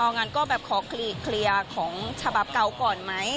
งั้นก็แบบขอเคลียร์ของฉบับเก่าก่อนไหม